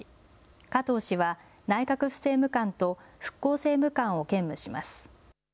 加藤氏は内閣府政務官と復興政務官を兼務します。